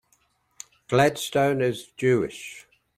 Gladstone is Jewish.